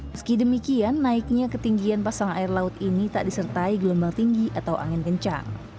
meski demikian naiknya ketinggian pasang air laut ini tak disertai gelombang tinggi atau angin kencang